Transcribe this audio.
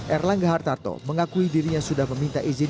erlangga hartarto mengakui dirinya sudah meminta izin